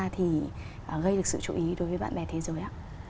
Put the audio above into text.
thì gây được sự chú ý đối với bạn bè thế giới ạ